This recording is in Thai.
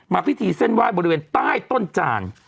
พิธีเส้นไหว้บริเวณใต้ต้นจาน